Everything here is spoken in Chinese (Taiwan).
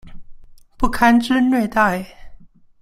不堪之虐待